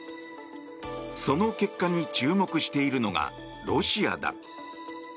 その結果に注目しているのがロシアだ。